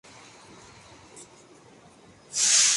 Durante el desarrollo, se tituló "Talent Maker".